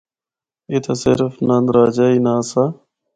اتھا صرف نند راجہ ہی نہ آسا۔